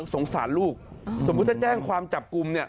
สงสารลูกสมมุติถ้าแจ้งความจับกลุ่มเนี่ย